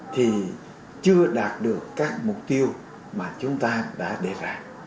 thì chưa đạt được các mục tiêu mà chúng ta đã đề ra